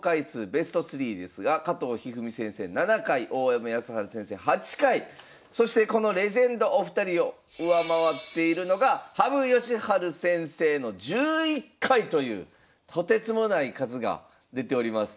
ベスト３ですが加藤一二三先生７回大山康晴先生８回そしてこのレジェンドお二人を上回っているのが羽生善治先生の１１回というとてつもない数が出ております。